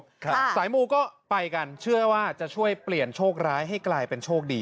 สายมูก็ไปกันเชื่อว่าจะช่วยเปลี่ยนโชคร้ายให้กลายเป็นโชคดี